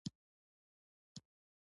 موږ سهار وختي له کوره وځو.